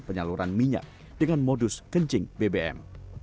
penyaluran minyak dengan modus kencing bbm